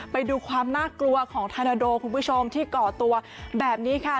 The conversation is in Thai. ไปดูความน่ากลัวของธนาโดคุณผู้ชมที่ก่อตัวแบบนี้ค่ะ